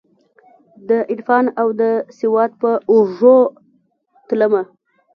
دعرفان اودسواد په اوږو تلمه